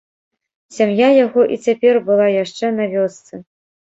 Сям'я яго і цяпер была яшчэ на вёсцы.